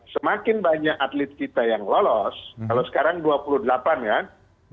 semakin banyak atlet kita semakin banyak atlet kita berada di bawah negara negara